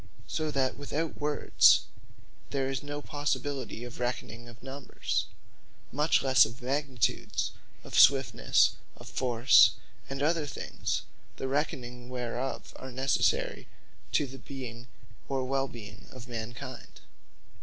So that without words, there is no possibility of reckoning of Numbers; much lesse of Magnitudes, of Swiftnesse, of Force, and other things, the reckonings whereof are necessary to the being, or well being of man kind.